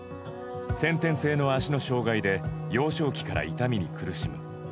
先天性の足の障がいで幼少期から痛みに苦しむ。